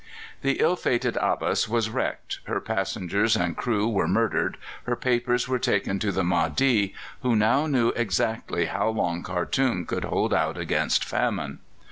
The ill fated Abbas was wrecked, her passengers and crew were murdered, her papers were taken to the Mahdi, who now knew exactly how long Khartoum could hold out against famine.